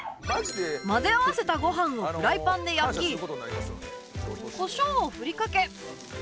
混ぜ合わせたご飯をフライパンで焼きコショウを振りかけ